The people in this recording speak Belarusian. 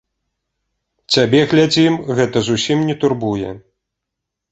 Цябе, глядзім, гэта зусім не турбуе?